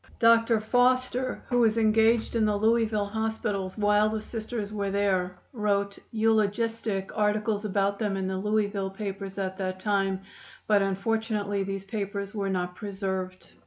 Dr. Foster, who was engaged in the Louisville hospitals while the Sisters were there, wrote eulogistic articles about them in the Louisville papers at that time, but unfortunately these papers were not preserved.